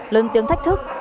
lớn tiếng thách thức